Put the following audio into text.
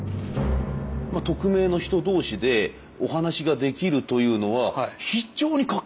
匿名の人同士でお話ができるというのは非常に画期的ですね。